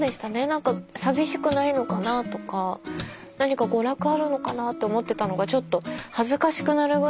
何か寂しくないのかなとか何か娯楽あるのかなって思ってたのがちょっと恥ずかしくなるぐらい。